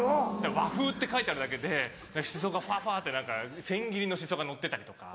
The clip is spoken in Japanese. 和風って書いてあるだけでシソがふわふわって千切りのシソがのってたりとか。